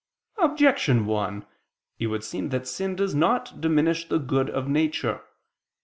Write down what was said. Objection 1: It would seem that sin does not diminish the good of nature.